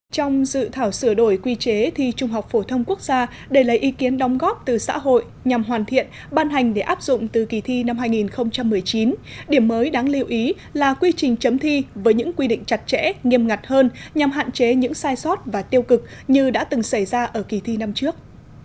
trong dự thảo sửa đổi quy chế thi trung học phổ thông quốc gia để lấy ý kiến đóng góp từ xã hội nhằm hoàn thiện ban hành để áp dụng từ kỳ thi năm hai nghìn một mươi chín điểm mới đáng lưu ý là quy trình chấm thi với những quy định chặt chẽ nghiêm ngặt hơn nhằm hạn chế những sai sót và tiêu cực như đã từng xảy ra ở kỳ thi năm trước